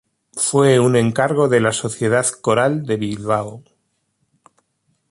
Fue un encargo de la Sociedad Coral de Bilbao.